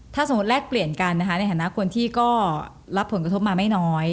ถ้าสมมุติแลกเปลี่ยนกันนะคะในฐานะคนที่ก็รับผลกระทบมาไม่น้อย